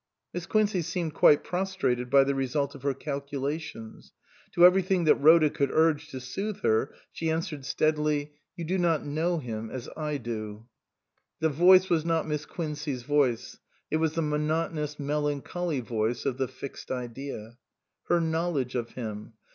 Miss Quincey seemed quite prostrated by the result of her calculations. To everything that Rhoda could urge to soothe her she answered steadily : 288 A PAINFUL MISUNDERSTANDING " You do not know him as I do." The voice was not Miss Quincey's voice ; it was the monotonous, melancholy voice of the Fixed Idea. Her knowledge of him.